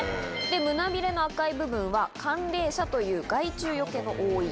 で胸びれの赤い部分は寒冷紗という害虫よけの覆い。